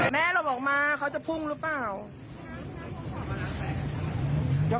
แม่เราออกมาเขาจะพุ่งหรือเปล่า